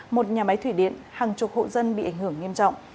một nhà máy thủy điện hàng chục hộ dân bị ảnh hưởng nghiêm trọng